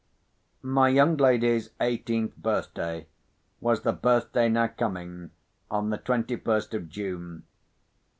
My young lady's eighteenth birthday was the birthday now coming, on the twenty first of June.